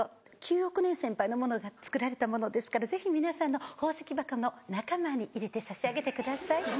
９億年先輩のものがつくられたものですからぜひ皆さんの宝石箱の仲間に入れてさしあげてください。